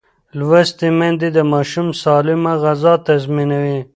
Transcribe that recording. لوستې میندې د ماشوم سالمه غذا تضمینوي.